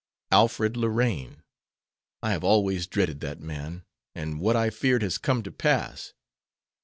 "Alfred Lorraine; I have always dreaded that man, and what I feared has come to pass.